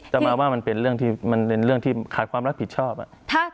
จะมาว่ามันเป็นเรื่องที่มันเป็นเรื่องที่ขาดความรับผิดชอบอ่ะ